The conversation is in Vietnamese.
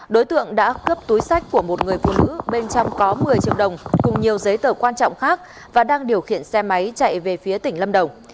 đối tượng đã cướp túi sách của một người phụ nữ bên trong có một mươi triệu đồng cùng nhiều giấy tờ quan trọng khác và đang điều khiển xe máy chạy về phía tỉnh lâm đồng